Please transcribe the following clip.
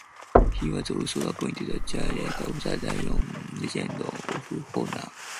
He was also appointed a Chevalier of the Legion of Honour.